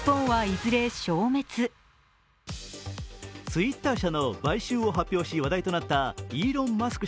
ツイッター社の買収を発表し話題となったイーロン・マスク